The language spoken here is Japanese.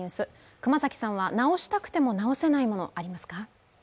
熊崎さんは直したくても直せないものありますか？